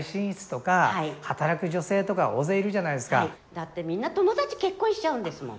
だってみんな友達結婚しちゃうんですもん。